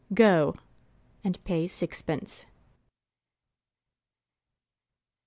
Go, and pay sixpence.